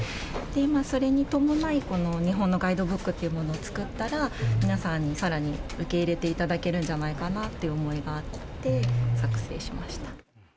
今それに伴い、この日本のガイドブックというものを作ったら、皆さんにさらに受け入れていただけるんじゃないかなという思いがあって作成しました。